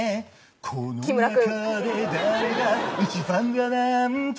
「この中で誰が一番だなんて」